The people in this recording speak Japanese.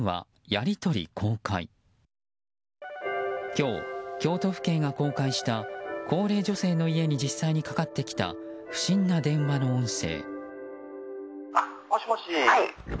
今日、京都府警が公開した高齢女性の家に実際にかかってきた不審な電話の音声。